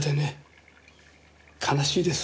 悲しいです。